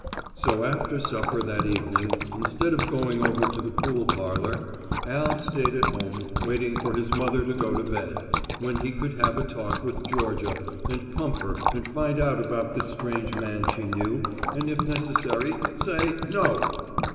So after supper that evening, instead of going over to the pool parlor, Al stayed at home waiting for his mother to go to bed, when he could have a talk with Georgia and pump her and find out about this strange man she knew, and if necessary say no.